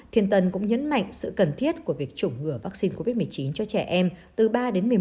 thiên tân cũng nhấn mạnh sự cần thiết của việc chủng ngừa vaccine covid một mươi chín cho trẻ em từ ba đến